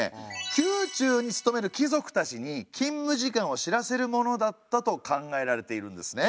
宮中に勤める貴族たちに勤務時間を知らせるものだったと考えられているんですね。